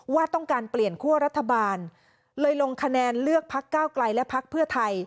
ว่าต้องการเปลี่ยนคั่วรัฐบาลเลยลงคะแนนเลือกพักเก้าไกลและพักเพื่อไทย